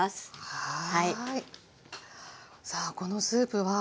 はい。